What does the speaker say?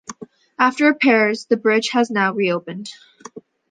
After repairs, the bridge has now re-opened.